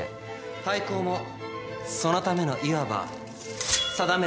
廃校もそのためのいわば定めだ。